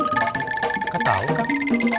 gak tahu kang